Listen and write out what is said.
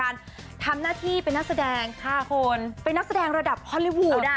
การทำหน้าที่เป็นนักแสดงค่ะคุณเป็นนักแสดงระดับฮอลลี่วูดอ่ะ